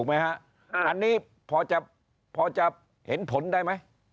อันนี้พอจะเห็นผลได้ไหม